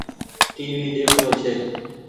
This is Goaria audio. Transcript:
ٽي وي ۮيک رو ڇي۔